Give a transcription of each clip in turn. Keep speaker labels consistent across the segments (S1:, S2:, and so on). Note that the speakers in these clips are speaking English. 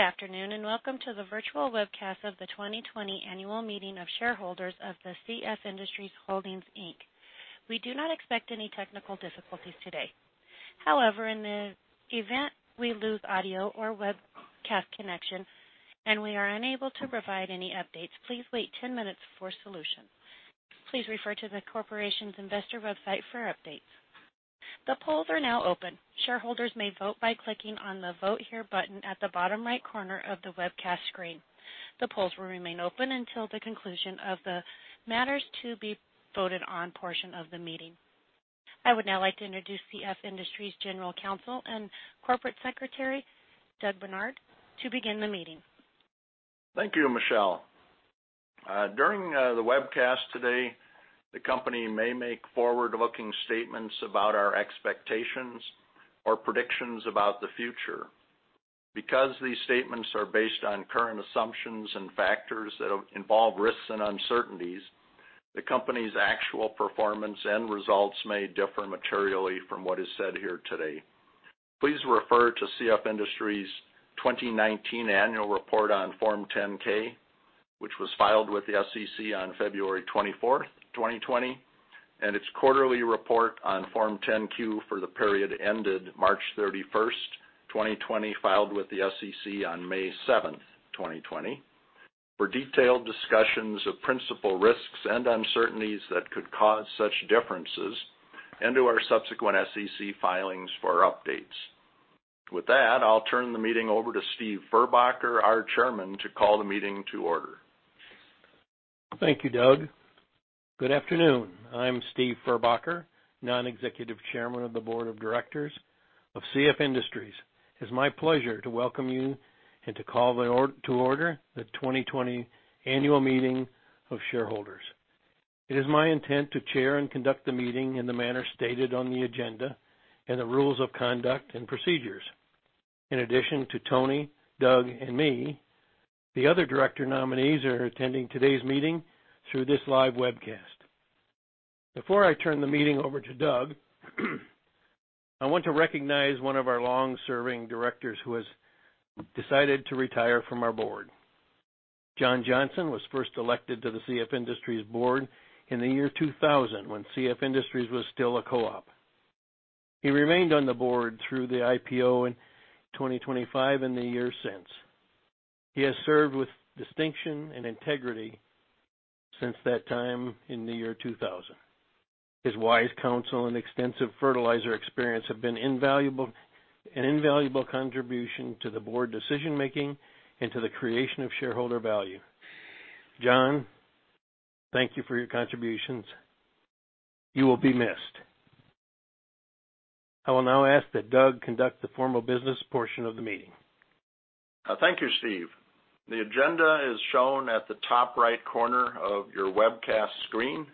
S1: Good afternoon and welcome to the virtual webcast of the 2020 annual meeting of shareholders of CF Industries Holdings, Inc. We do not expect any technical difficulties today. However, in the event we lose audio or webcast connection and we are unable to provide any updates, please wait 10 minutes for solutions. Please refer to the corporation's Investor website for updates. The polls are now open. Shareholders may vote by clicking on the "Vote Here" button at the bottom right corner of the webcast screen. The polls will remain open until the conclusion of the matters to be voted on portion of the meeting. I would now like to introduce CF Industries' General Counsel and Corporate Secretary, Doug Barnard, to begin the meeting.
S2: Thank you, Michelle. During the webcast today, the company may make forward-looking statements about our expectations or predictions about the future. Because these statements are based on current assumptions and factors that involve risks and uncertainties, the company's actual performance and results may differ materially from what is said here today. Please refer to CF Industries' 2019 Annual Report on Form 10-K, which was filed with the SEC on February 24, 2020, and its quarterly report on Form 10-Q for the period ended March 31, 2020, filed with the SEC on May 7, 2020, for detailed discussions of principal risks and uncertainties that could cause such differences, and to our subsequent SEC filings for updates. With that, I'll turn the meeting over to Stephen Furbacher, our Chairman, to call the meeting to order.
S3: Thank you, Doug. Good afternoon. I'm Stephen Furbacher, Non-executive Chairman of the Board of Directors of CF Industries. It is my pleasure to welcome you and to call to order the 2020 annual meeting of shareholders. It is my intent to chair and conduct the meeting in the manner stated on the agenda and the rules of conduct and procedures. In addition to Tony, Doug, and me, the other director nominees are attending today's meeting through this live webcast. Before I turn the meeting over to Doug, I want to recognize one of our long-serving directors who has decided to retire from our board. John Johnson was first elected to the CF Industries board in the year 2000 when CF Industries was still a co-op. He remained on the board through the IPO in 2025 and the years since. He has served with distinction and integrity since that time in the year 2000. His wise counsel and extensive fertilizer experience have been an invaluable contribution to the board decision-making and to the creation of shareholder value. John, thank you for your contributions. You will be missed. I will now ask that Doug conduct the formal business portion of the meeting.
S2: Thank you, Stephen. The agenda is shown at the top right corner of your webcast screen,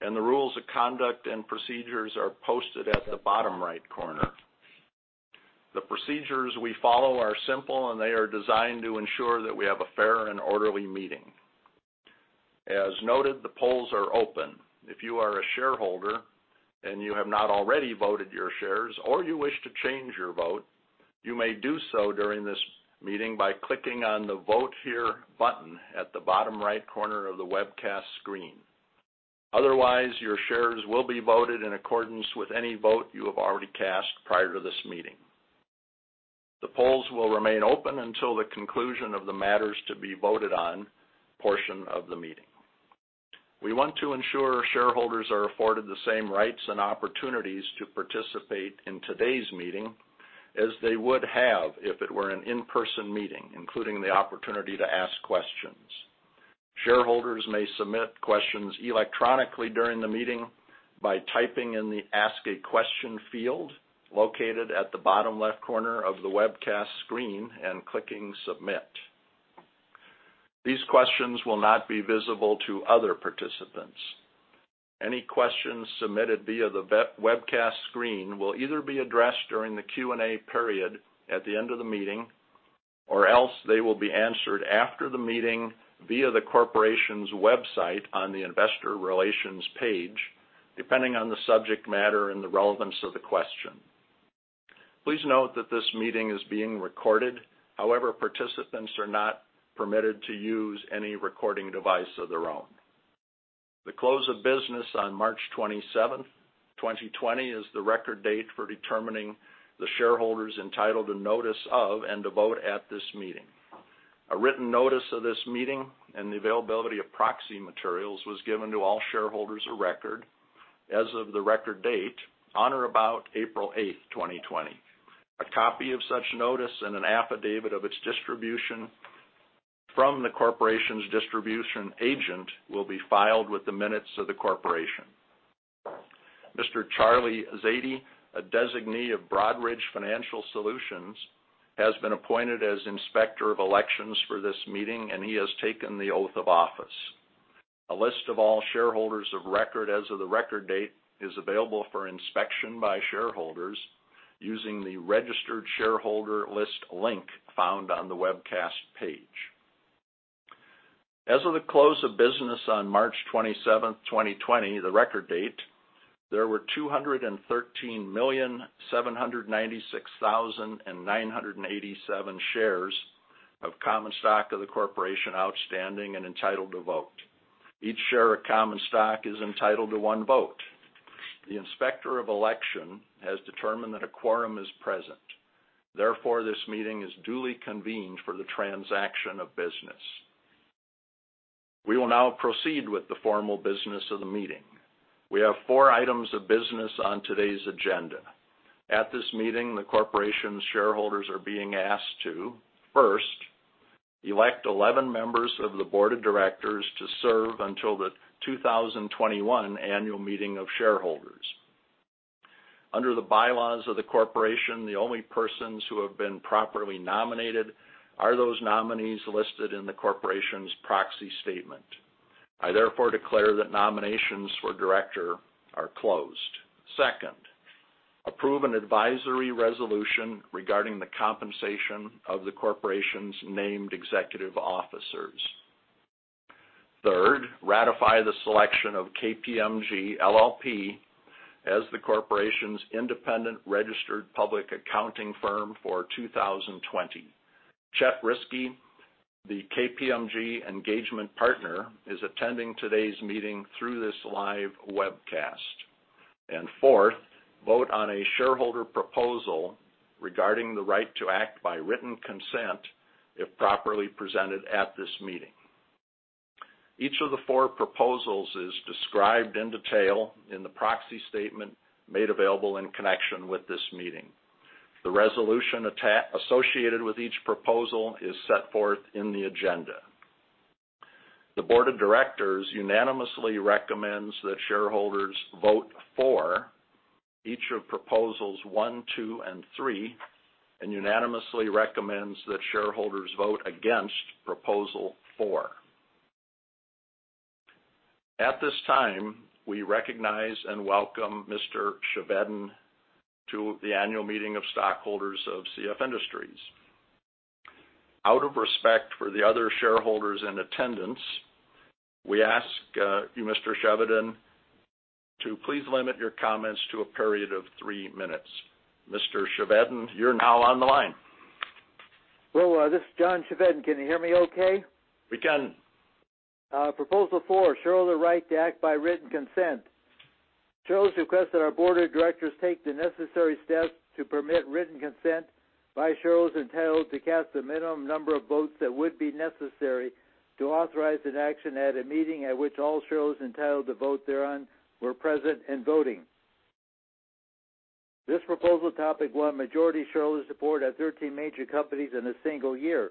S2: and the rules of conduct and procedures are posted at the bottom right corner. The procedures we follow are simple, and they are designed to ensure that we have a fair and orderly meeting. As noted, the polls are open. If you are a shareholder and you have not already voted your shares or you wish to change your vote, you may do so during this meeting by clicking on the "Vote Here" button at the bottom right corner of the webcast screen. Otherwise, your shares will be voted in accordance with any vote you have already cast prior to this meeting. The polls will remain open until the conclusion of the matters to be voted on portion of the meeting. We want to ensure shareholders are afforded the same rights and opportunities to participate in today's meeting as they would have if it were an in-person meeting, including the opportunity to ask questions. Shareholders may submit questions electronically during the meeting by typing in the "Ask a Question" field located at the bottom left corner of the webcast screen and clicking "Submit." These questions will not be visible to other participants. Any questions submitted via the webcast screen will either be addressed during the Q&A period at the end of the meeting or else they will be answered after the meeting via the corporation's website on the Investor Relations page, depending on the subject matter and the relevance of the question. Please note that this meeting is being recorded. However, participants are not permitted to use any recording device of their own. The close of business on March 27, 2020, is the record date for determining the shareholders entitled to notice of and to vote at this meeting. A written notice of this meeting and the availability of proxy materials was given to all shareholders of record as of the record date on or about April 8, 2020. A copy of such notice and an affidavit of its distribution from the corporation's distribution agent will be filed with the minutes of the corporation. Mr. Charlie Marchesani, a designee of Broadridge Financial Solutions, has been appointed as inspector of election for this meeting, and he has taken the oath of office. A list of all shareholders of record as of the record date is available for inspection by shareholders using the registered shareholder list link found on the webcast page. As of the close of business on March 27, 2020, the record date, there were 213,796,987 shares of common stock of the corporation outstanding and entitled to vote. Each share of common stock is entitled to one vote. The inspector of election has determined that a quorum is present. Therefore, this meeting is duly convened for the transaction of business. We will now proceed with the formal business of the meeting. We have four items of business on today's agenda. At this meeting, the corporation's shareholders are being asked to, first, elect 11 members of the Board of Directors to serve until the 2021 annual meeting of shareholders. Under the bylaws of the corporation, the only persons who have been properly nominated are those nominees listed in the corporation's proxy statement. I therefore declare that nominations for director are closed. Second, approve an advisory resolution regarding the compensation of the corporation's named executive officers. Third, ratify the selection of KPMG LLP as the corporation's independent registered public accounting firm for 2020. Chet Riske, the KPMG engagement partner, is attending today's meeting through this live webcast. And fourth, vote on a shareholder proposal regarding the right to act by written consent if properly presented at this meeting. Each of the four proposals is described in detail in the proxy statement made available in connection with this meeting. The resolution associated with each proposal is set forth in the agenda. The Board of Directors unanimously recommends that shareholders vote for each of proposals one, two, and three, and unanimously recommends that shareholders vote against proposal four. At this time, we recognize and welcome Mr. Chevedden to the annual meeting of stockholders of CF Industries. Out of respect for the other shareholders in attendance, we ask you, Mr. Chevedden, to please limit your comments to a period of three minutes. Mr. Chevedden, you're now on the line.
S4: Hello. This is John Chevedden. Can you hear me okay?
S2: We can.
S4: Proposal four, show the right to act by written consent. Shareholders request that our Board of Directors take the necessary steps to permit written consent by shareholders entitled to cast the minimum number of votes that would be necessary to authorize an action at a meeting at which all shareholders entitled to vote thereon were present and voting. This proposal topic won majority shareholder support at 13 major companies in a single year.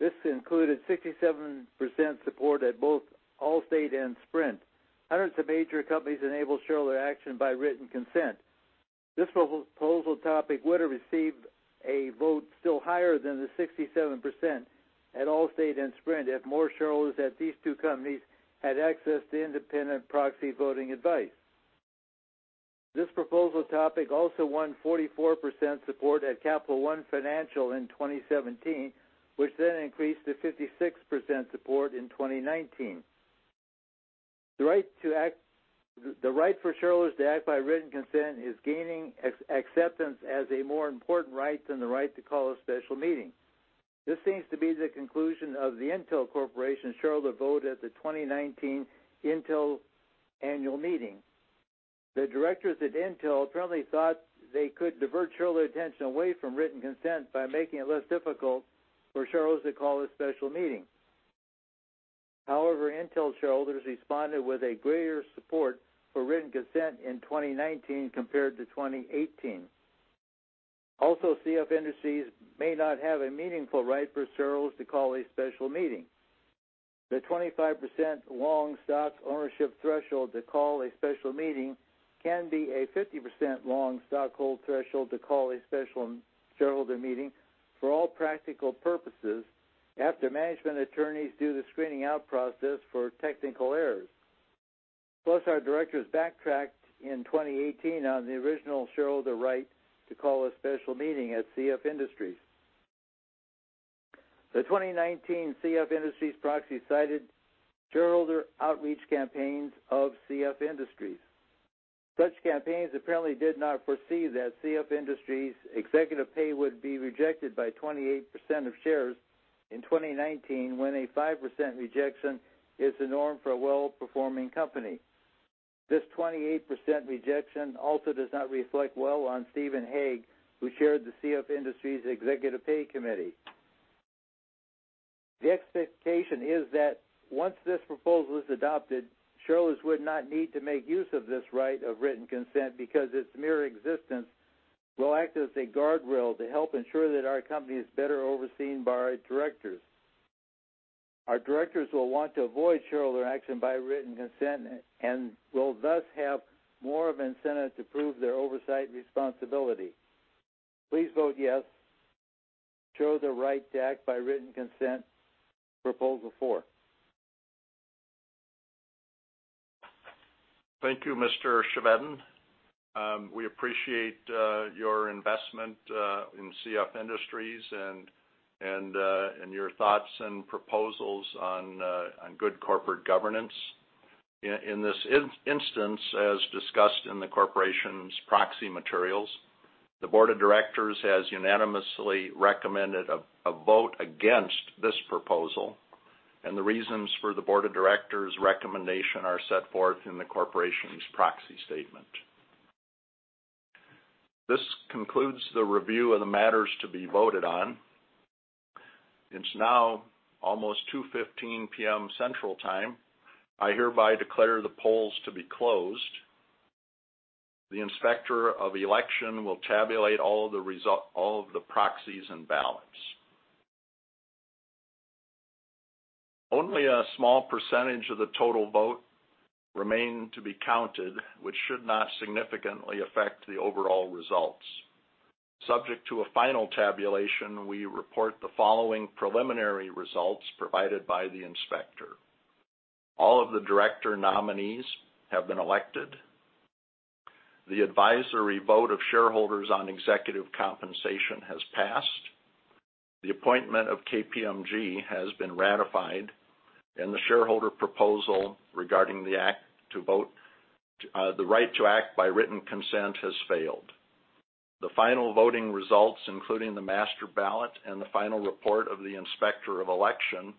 S4: This included 67% support at both Allstate and Sprint. Hundreds of major companies enabled shareholder action by written consent. This proposal topic would have received a vote still higher than the 67% at Allstate and Sprint if more shareholders at these two companies had access to independent proxy voting advice. This proposal topic also won 44% support at Capital One Financial in 2017, which then increased to 56% support in 2019. The right for shareholders to act by written consent is gaining acceptance as a more important right than the right to call a special meeting. This seems to be the conclusion of the Intel Corporation shareholder vote at the 2019 Intel annual meeting. The directors at Intel apparently thought they could divert shareholder attention away from written consent by making it less difficult for shareholders to call a special meeting. However, Intel shareholders responded with a greater support for written consent in 2019 compared to 2018. Also, CF Industries may not have a meaningful right for shareholders to call a special meeting. The 25% long stock ownership threshold to call a special meeting can be a 50% long stockholder threshold to call a special shareholder meeting for all practical purposes after management attorneys do the screening out process for technical errors. Plus, our directors backtracked in 2018 on the original shareholder right to call a special meeting at CF Industries. The 2019 CF Industries proxy cited shareholder outreach campaigns of CF Industries. Such campaigns apparently did not foresee that CF Industries' executive pay would be rejected by 28% of shares in 2019 when a 5% rejection is the norm for a well-performing company. This 28% rejection also does not reflect well on Stephen Hagge, who chaired the CF Industries Executive Pay Committee. The expectation is that once this proposal is adopted, shareholders would not need to make use of this right of written consent because its mere existence will act as a guardrail to help ensure that our company is better overseen by our directors. Our directors will want to avoid shareholder action by written consent and will thus have more of an incentive to prove their oversight responsibility. Please vote yes, show the right to act by written consent proposal four.
S2: Thank you, Mr. Chevedden. We appreciate your investment in CF Industries and your thoughts and proposals on good corporate governance. In this instance, as discussed in the corporation's proxy materials, the Board of Directors has unanimously recommended a vote against this proposal, and the reasons for the Board of Directors' recommendation are set forth in the corporation's proxy statement. This concludes the review of the matters to be voted on. It's now almost 2:15 P.M. Central Time. I hereby declare the polls to be closed. The inspector of election will tabulate all of the proxies and ballots. Only a small percentage of the total vote remained to be counted, which should not significantly affect the overall results. Subject to a final tabulation, we report the following preliminary results provided by the inspector. All of the director nominees have been elected. The advisory vote of shareholders on executive compensation has passed. The appointment of KPMG has been ratified, and the shareholder proposal regarding the right to act by written consent has failed. The final voting results, including the master ballot and the final report of the inspector of election,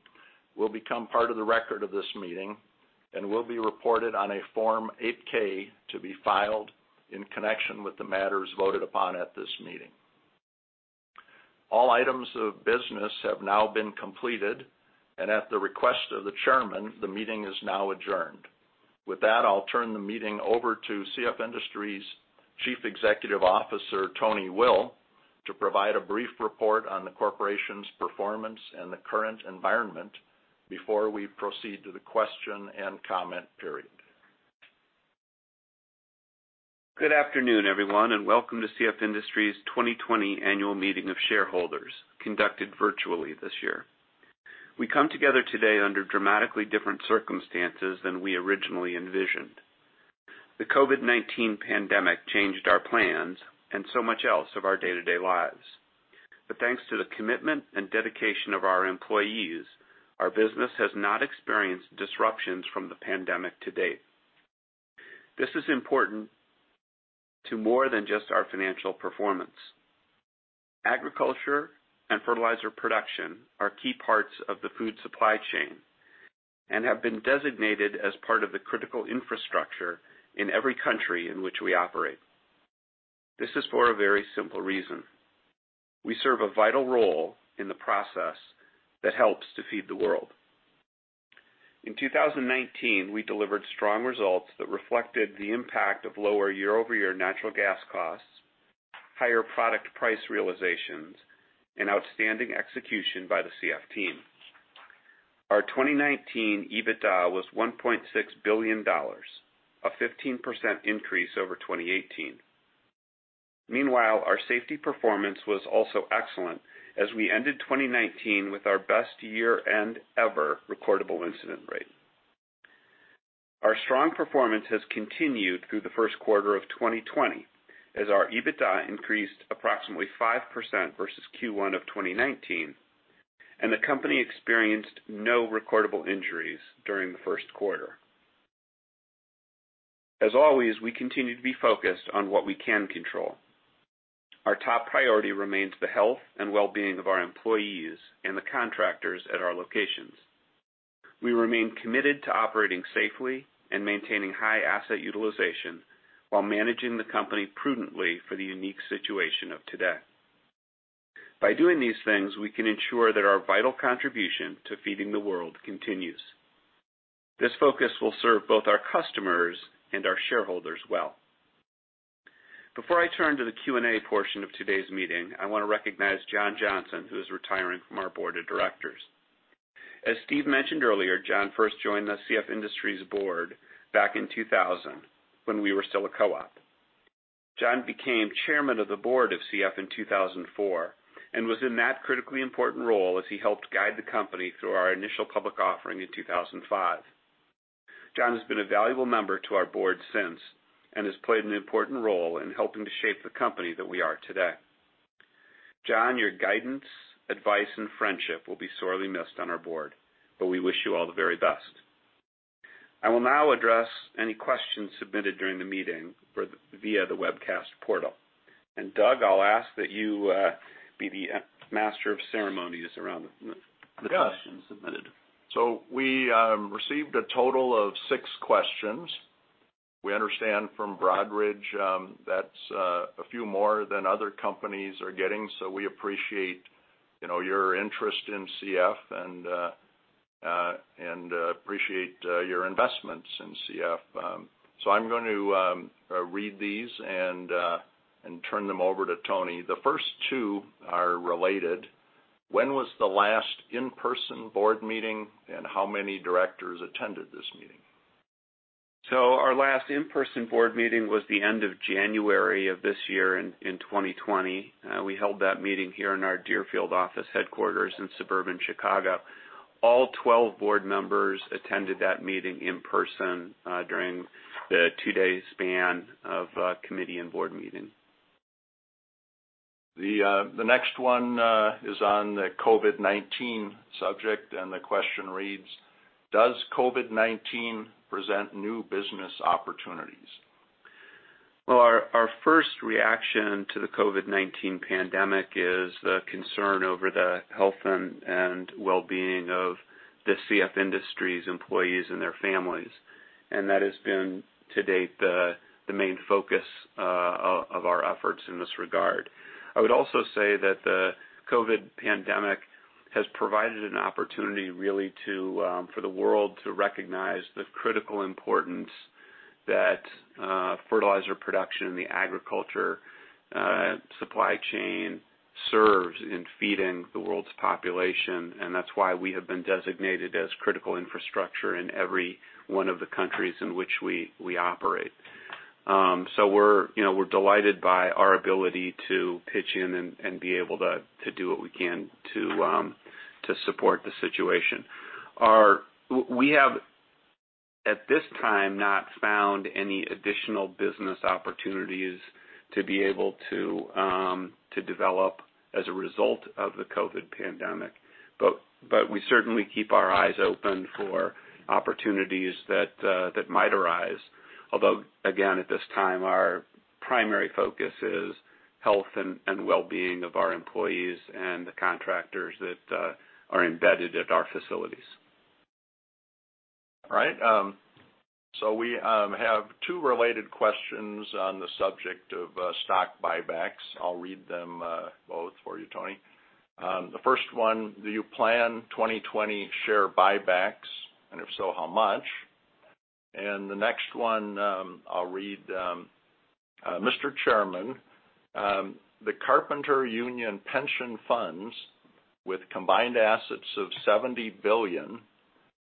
S2: will become part of the record of this meeting and will be reported on a Form 8-K to be filed in connection with the matters voted upon at this meeting. All items of business have now been completed, and at the request of the chairman, the meeting is now adjourned. With that, I'll turn the meeting over to CF Industries' Chief Executive Officer, Tony Will, to provide a brief report on the corporation's performance and the current environment before we proceed to the question and comment period.
S5: Good afternoon, everyone, and welcome to CF Industries' 2020 annual meeting of shareholders, conducted virtually this year. We come together today under dramatically different circumstances than we originally envisioned. The COVID-19 pandemic changed our plans and so much else of our day-to-day lives. But thanks to the commitment and dedication of our employees, our business has not experienced disruptions from the pandemic to date. This is important to more than just our financial performance. Agriculture and fertilizer production are key parts of the food supply chain and have been designated as part of the critical infrastructure in every country in which we operate. This is for a very simple reason. We serve a vital role in the process that helps to feed the world. In 2019, we delivered strong results that reflected the impact of lower year-over-year natural gas costs, higher product price realizations, and outstanding execution by the CF team. Our 2019 EBITDA was $1.6 billion, a 15% increase over 2018. Meanwhile, our safety performance was also excellent as we ended 2019 with our best year-end ever recordable incident rate. Our strong performance has continued through the first quarter of 2020 as our EBITDA increased approximately 5% versus Q1 of 2019, and the company experienced no recordable injuries during the first quarter. As always, we continue to be focused on what we can control. Our top priority remains the health and well-being of our employees and the contractors at our locations. We remain committed to operating safely and maintaining high asset utilization while managing the company prudently for the unique situation of today. By doing these things, we can ensure that our vital contribution to feeding the world continues. This focus will serve both our customers and our shareholders well. Before I turn to the Q&A portion of today's meeting, I want to recognize John Johnson, who is retiring from our board of directors. As Stephen mentioned earlier, John first joined the CF Industries board back in 2000 when we were still a co-op. John became Chairman of the Board of CF in 2004 and was in that critically important role as he helped guide the company through our initial public offering in 2005. John has been a valuable member to our board since and has played an important role in helping to shape the company that we are today. John, your guidance, advice, and friendship will be sorely missed on our board, but we wish you all the very best. I will now address any questions submitted during the meeting via the webcast portal, and Doug, I'll ask that you be the master of ceremonies around the questions submitted.
S2: So we received a total of six questions. We understand from Broadridge that's a few more than other companies are getting, so we appreciate your interest in CF and appreciate your investments in CF. So I'm going to read these and turn them over to Tony. The first two are related. When was the last in-person board meeting and how many directors attended this meeting?
S5: Our last in-person board meeting was the end of January of this year in 2020. We held that meeting here in our Deerfield office headquarters in suburban Chicago. All 12 board members attended that meeting in person during the two-day span of committee and board meeting.
S2: The next one is on the COVID-19 subject, and the question reads, "Does COVID-19 present new business opportunities?
S5: Our first reaction to the COVID-19 pandemic is the concern over the health and well-being of the CF Industries employees and their families, and that has been to date the main focus of our efforts in this regard. I would also say that the COVID pandemic has provided an opportunity really for the world to recognize the critical importance that fertilizer production in the agriculture supply chain serves in feeding the world's population, and that's why we have been designated as critical infrastructure in every one of the countries in which we operate. We're delighted by our ability to pitch in and be able to do what we can to support the situation. We have, at this time, not found any additional business opportunities to be able to develop as a result of the COVID pandemic, but we certainly keep our eyes open for opportunities that might arise, although, again, at this time, our primary focus is health and well-being of our employees and the contractors that are embedded at our facilities.
S2: All right. So we have two related questions on the subject of stock buybacks. I'll read them both for you, Tony. The first one, "Do you plan 2020 share buybacks? And if so, how much?" And the next one, I'll read, "Mr. Chairman, the Carpenters Union Pension Funds with combined assets of $70 billion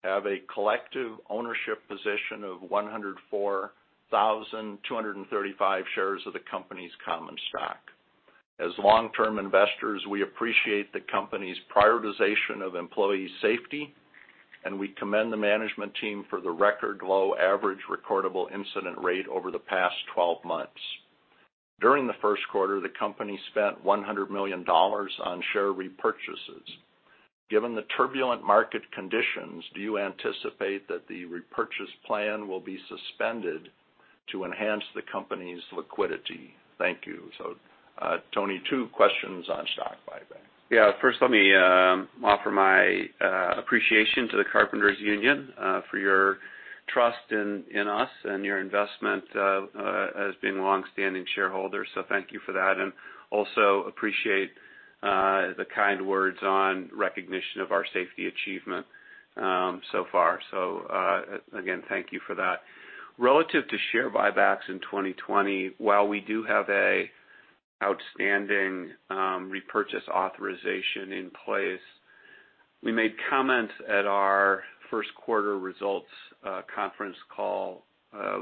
S2: have a collective ownership position of 104,235 shares of the company's common stock. As long-term investors, we appreciate the company's prioritization of employee safety, and we commend the management team for the record low average recordable incident rate over the past 12 months. During the first quarter, the company spent $100 million on share repurchases. Given the turbulent market conditions, do you anticipate that the repurchase plan will be suspended to enhance the company's liquidity?" Thank you. So, Tony, two questions on stock buybacks.
S5: Yeah. First, let me offer my appreciation to the Carpenters Union for your trust in us and your investment as being long-standing shareholders. So thank you for that. And also appreciate the kind words on recognition of our safety achievement so far. So again, thank you for that. Relative to share buybacks in 2020, while we do have an outstanding repurchase authorization in place, we made comments at our first quarter results conference call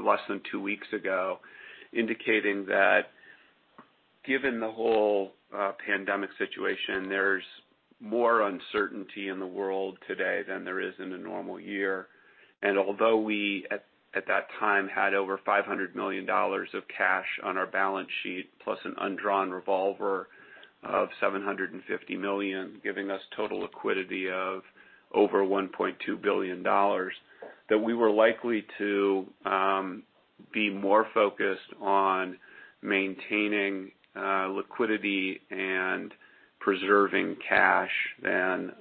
S5: less than two weeks ago, indicating that given the whole pandemic situation, there's more uncertainty in the world today than there is in a normal year. And although we at that time had over $500 million of cash on our balance sheet, plus an undrawn revolver of $750 million, giving us total liquidity of over $1.2 billion, that we were likely to be more focused on maintaining liquidity and preserving cash than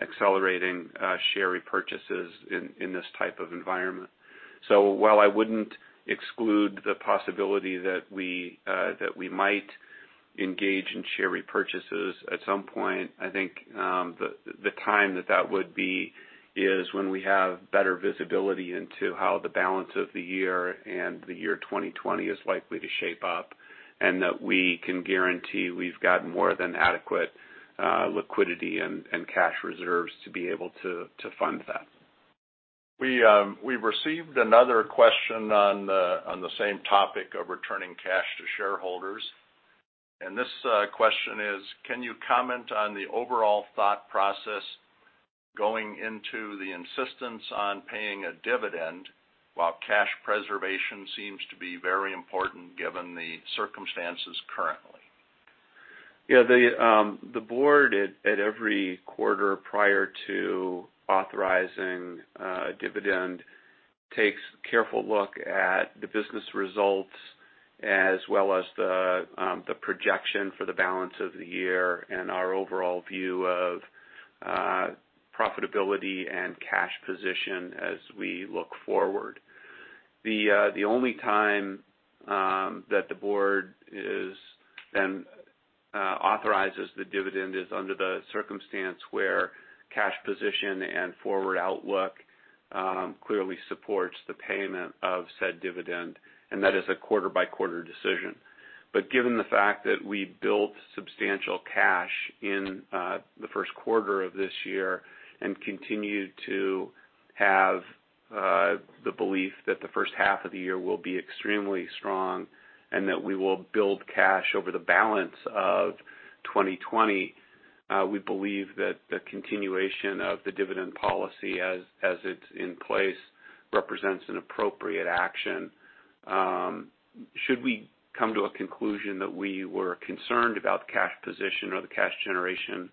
S5: accelerating share repurchases in this type of environment. So while I wouldn't exclude the possibility that we might engage in share repurchases at some point, I think the time that that would be is when we have better visibility into how the balance of the year and the year 2020 is likely to shape up and that we can guarantee we've got more than adequate liquidity and cash reserves to be able to fund that.
S2: We received another question on the same topic of returning cash to shareholders and this question is, "Can you comment on the overall thought process going into the insistence on paying a dividend while cash preservation seems to be very important given the circumstances currently?
S5: Yeah. The board at every quarter prior to authorizing a dividend takes a careful look at the business results as well as the projection for the balance of the year and our overall view of profitability and cash position as we look forward. The only time that the board then authorizes the dividend is under the circumstance where cash position and forward outlook clearly supports the payment of said dividend, and that is a quarter-by-quarter decision. But given the fact that we built substantial cash in the first quarter of this year and continue to have the belief that the first half of the year will be extremely strong and that we will build cash over the balance of 2020, we believe that the continuation of the dividend policy as it's in place represents an appropriate action. Should we come to a conclusion that we were concerned about the cash position or the cash generation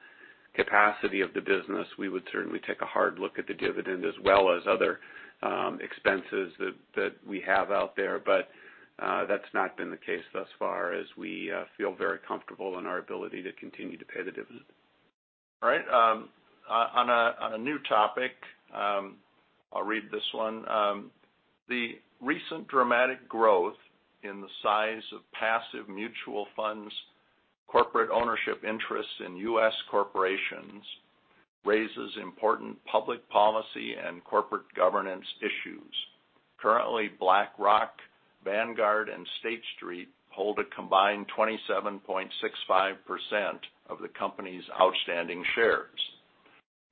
S5: capacity of the business, we would certainly take a hard look at the dividend as well as other expenses that we have out there, but that's not been the case thus far as we feel very comfortable in our ability to continue to pay the dividend.
S2: All right. On a new topic, I'll read this one. "The recent dramatic growth in the size of passive mutual funds corporate ownership interest in U.S. corporations raises important public policy and corporate governance issues. Currently, BlackRock, Vanguard, and State Street hold a combined 27.65% of the company's outstanding shares.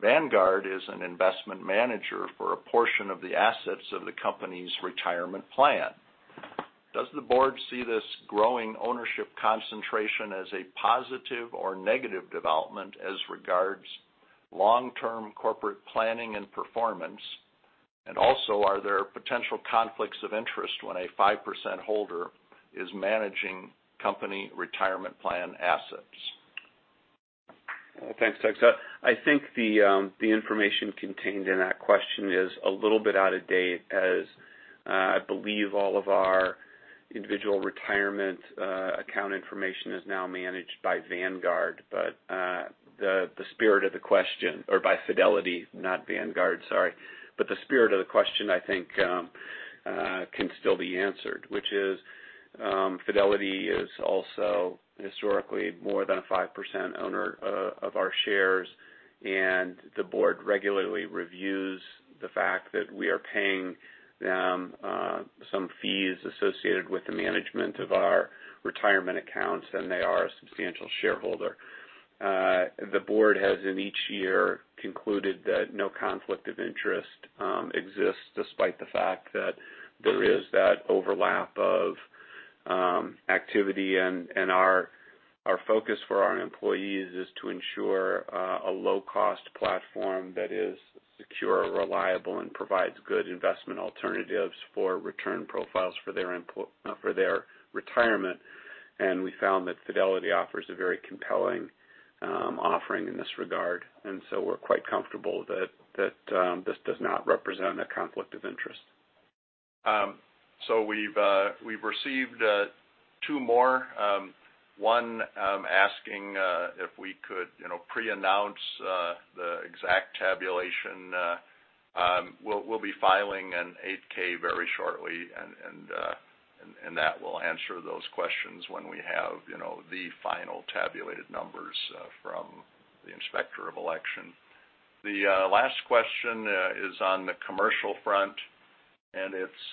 S2: Vanguard is an investment manager for a portion of the assets of the company's retirement plan. Does the board see this growing ownership concentration as a positive or negative development as regards long-term corporate planning and performance? And also, are there potential conflicts of interest when a 5% holder is managing company retirement plan assets?
S5: Thanks, Doug. So I think the information contained in that question is a little bit out of date as I believe all of our individual retirement account information is now managed by Vanguard, but the spirit of the question or by Fidelity, not Vanguard, sorry. But the spirit of the question I think can still be answered, which is Fidelity is also historically more than a 5% owner of our shares, and the board regularly reviews the fact that we are paying them some fees associated with the management of our retirement accounts, and they are a substantial shareholder. The board has in each year concluded that no conflict of interest exists despite the fact that there is that overlap of activity, and our focus for our employees is to ensure a low-cost platform that is secure, reliable, and provides good investment alternatives for return profiles for their retirement. We found that Fidelity offers a very compelling offering in this regard, and so we're quite comfortable that this does not represent a conflict of interest.
S2: So we've received two more. One asking if we could pre-announce the exact tabulation. We'll be filing an Form 8-K very shortly, and that will answer those questions when we have the final tabulated numbers from the inspector of election. The last question is on the commercial front, and it's,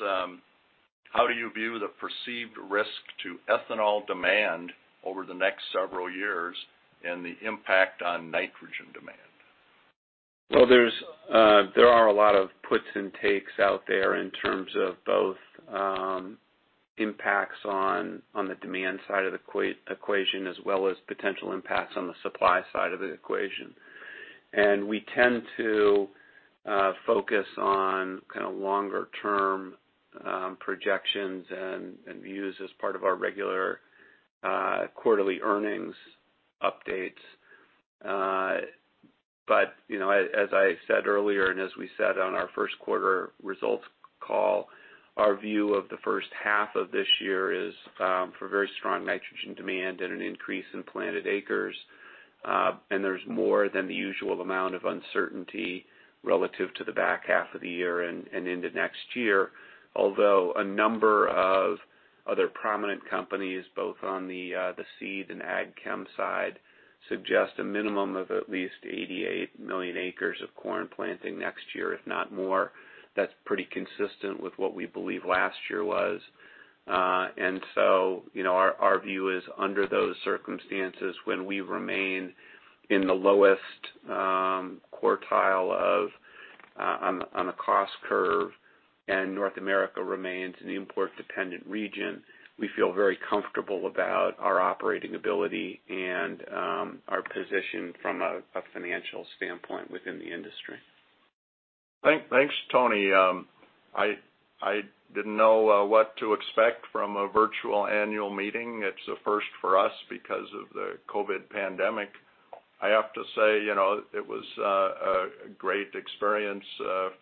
S2: "How do you view the perceived risk to ethanol demand over the next several years and the impact on nitrogen demand?
S5: There are a lot of puts and takes out there in terms of both impacts on the demand side of the equation as well as potential impacts on the supply side of the equation. We tend to focus on kind of longer-term projections and views as part of our regular quarterly earnings updates. As I said earlier and as we said on our first quarter results call, our view of the first half of this year is for very strong nitrogen demand and an increase in planted acres. There's more than the usual amount of uncertainty relative to the back half of the year and into next year, although a number of other prominent companies, both on the seed and agricultural chemical side, suggest a minimum of at least 88 million acres of corn planting next year, if not more. That's pretty consistent with what we believe last year was, and so our view is under those circumstances, when we remain in the lowest quartile on the cost curve and North America remains an import-dependent region, we feel very comfortable about our operating ability and our position from a financial standpoint within the industry.
S2: Thanks, Tony. I didn't know what to expect from a virtual annual meeting. It's a first for us because of the COVID pandemic. I have to say it was a great experience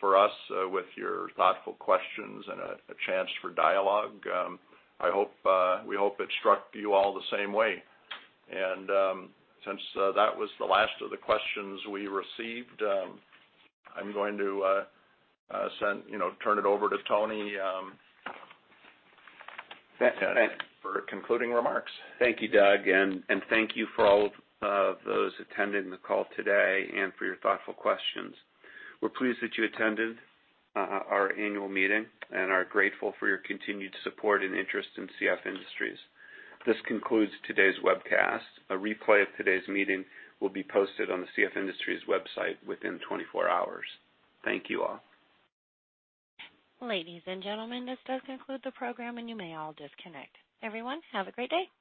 S2: for us with your thoughtful questions and a chance for dialogue. We hope it struck you all the same way, and since that was the last of the questions we received, I'm going to turn it over to Tony for concluding remarks.
S5: Thank you, Doug. And thank you for all of those attending the call today and for your thoughtful questions. We're pleased that you attended our annual meeting and are grateful for your continued support and interest in CF Industries. This concludes today's webcast. A replay of today's meeting will be posted on the CF Industries website within 24 hours. Thank you all.
S1: Ladies and gentlemen, this does conclude the program, and you may all disconnect. Everyone, have a great day.